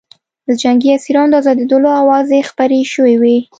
د جنګي اسیرانو د ازادېدلو اوازې خپرې شوې وې